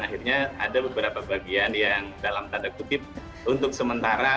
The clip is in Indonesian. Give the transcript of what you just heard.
akhirnya ada beberapa bagian yang dalam tanda kutip untuk sementara